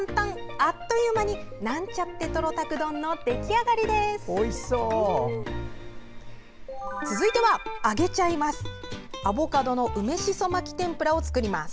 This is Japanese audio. あっという間になんちゃってトロたく丼の出来上がりです。